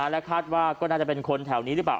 และคาดว่าก็น่าจะเป็นคนแถวนี้หรือเปล่า